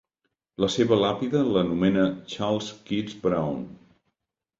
La seva làpida l'anomena Charles Keats Brown.